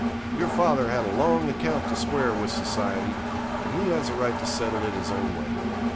Your father had a long account to square with society, and he has a right to settle it his own way.